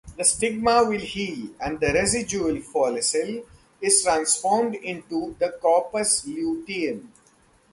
The stigma will heal and the residual follicle is transformed into the corpus luteum.